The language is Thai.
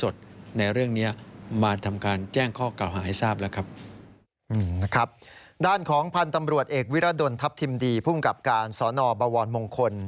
ด้านของพันธุ์ตำรวจเอกวิรดลทัพทิมดีภูมิกับการสอนอบวรมงคล